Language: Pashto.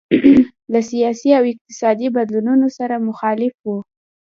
له سیاسي او اقتصادي بدلونونو سره مخالف وو.